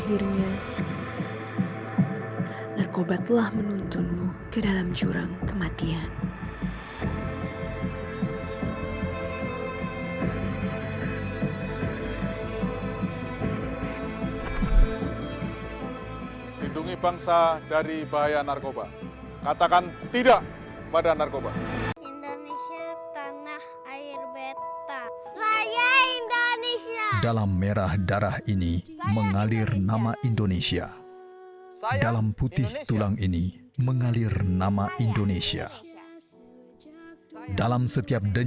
ibu kan tadi udah bilang begitu